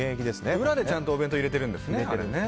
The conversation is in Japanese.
裏でちゃんとお弁当入れてるんですね。